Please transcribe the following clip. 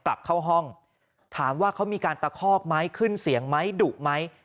กลับเข้าห้องถามว่าเขามีการตะคอกไหมขึ้นเสียงไหมดุไหม